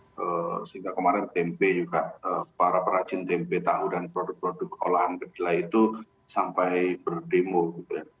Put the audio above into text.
sehingga kemarin tempe juga para perajin tempe tahu dan produk produk olahan kedelai itu sampai berdemo gitu ya